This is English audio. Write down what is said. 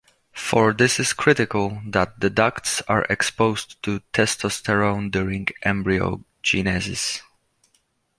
For this it is critical that the ducts are exposed to testosterone during embryogenesis.